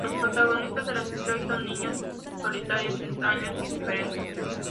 Los protagonistas de las historias son niños solitarios, extraños y diferentes.